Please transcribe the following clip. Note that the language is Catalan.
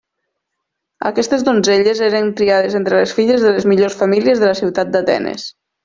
Aquestes donzelles eren triades entre les filles de les millors famílies de la ciutat d'Atenes.